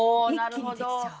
一気にできちゃう。